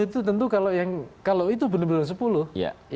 itu tentu kalau itu benar benar sepuluh